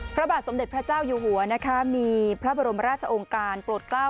พระบาทสมเด็จพระเจ้าอยู่หัวนะคะมีพระบรมราชองค์การโปรดกล้า